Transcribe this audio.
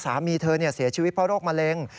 สามีเธอเสียชีวิตเพราะโรคมะเร็ง